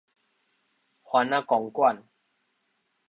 番仔公館